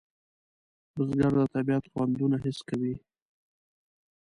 بزګر د طبیعت خوندونه حس کوي